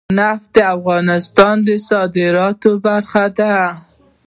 نفت د افغانستان د صادراتو برخه ده.